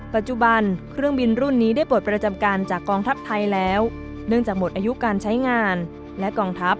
ปัจจุบันเครื่องบินรุ่นนี้ได้ประจำกันจากกองทัพไทยแล้ว